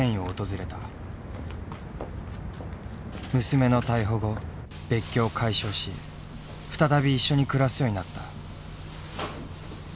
娘の逮捕後別居を解消し再び一緒に暮らすようになった。